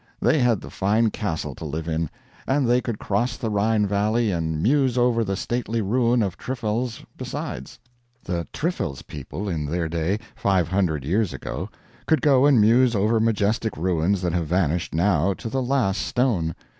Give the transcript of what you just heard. They had the fine castle to live in, and they could cross the Rhine valley and muse over the stately ruin of Trifels besides. The Trifels people, in their day, five hundred years ago, could go and muse over majestic ruins that have vanished, now, to the last stone.